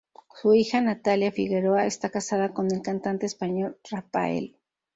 Su hija Natalia Figueroa está casada con el cantante español Raphael.